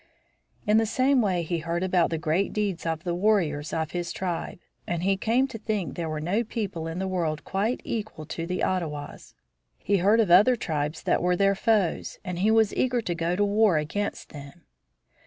In the same way he heard about the great deeds of the warriors of his tribe; and he came to think there were no people in the world quite equal to the Ottawas. He heard of other tribes that were their foes and he was eager to go to war against them.